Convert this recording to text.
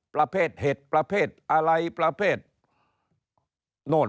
ประเภทเห็ดประเภทอะไรประเภทโน่น